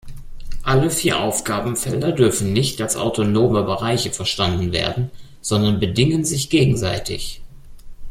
Alle vier Aufgabenfelder dürfen nicht als autonome Bereiche verstanden werden, sondern bedingen sich gegenseitig.